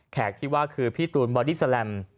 ที่ว่าคือพี่ตูนบอดี้แลม